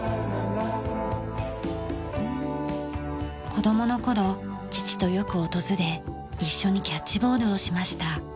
子供の頃父とよく訪れ一緒にキャッチボールをしました。